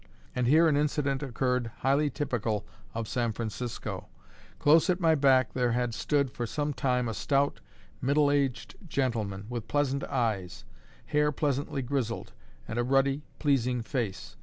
And here an incident occurred highly typical of San Francisco. Close at my back there had stood for some time a stout, middle aged gentleman, with pleasant eyes, hair pleasantly grizzled, and a ruddy, pleasing face.